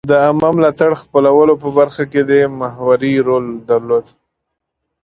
د عامه ملاتړ خپلولو په برخه کې محوري رول درلود.